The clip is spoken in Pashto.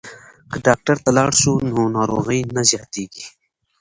که ډاکټر ته لاړ شو نو ناروغي نه زیاتیږي.